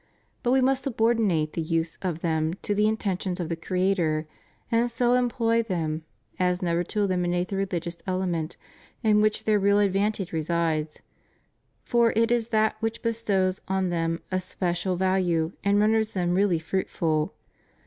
But we must subordinate the use of them to the intentions of the Creator, and so employ them as never to eliminate the religious element in which their real advantage resides, for it is that which bestows on them a special value and renders them really fruitful.